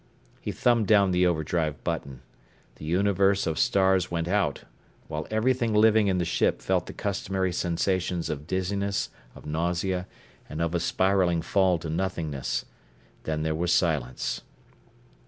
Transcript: He thumbed down the overdrive button. The universe of stars went out, while everything living in the ship felt the customary sensations of dizziness, of nausea, and of a spiraling fall to nothingness. Then there was silence.